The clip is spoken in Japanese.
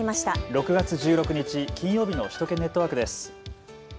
６月１６日、金曜日の首都圏ネットワークです。